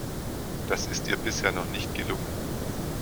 Das ist ihr bisher noch nicht gelungen.